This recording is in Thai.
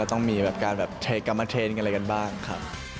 ก็ต้องมีแบบการเทรดกรรมเทรนด์กันอะไรกันบ้างครับ